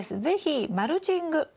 是非マルチング